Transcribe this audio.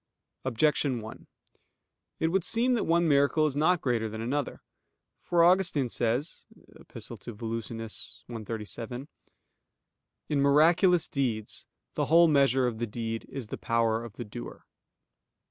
Objection 1: It would seem that one miracle is not greater than another. For Augustine says (Epist. ad Volusian. cxxxvii): "In miraculous deeds, the whole measure of the deed is the power of the doer."